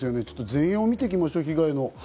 全容を見ていきましょう、被害の。